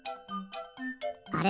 あれ？